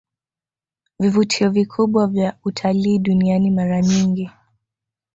vivutio vikubwa vya utalii duniani Mara nyingi